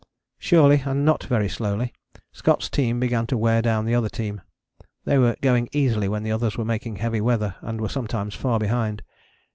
Surely and not very slowly, Scott's team began to wear down the other team. They were going easily when the others were making heavy weather and were sometimes far behind.